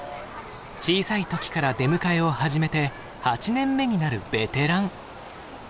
小さい時から出迎えを始めて８年目になるベテラン。